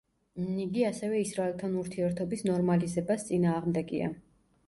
იგი ასევე ისრაელთან ურთიერთობის ნორმალიზებას წინააღმდეგია.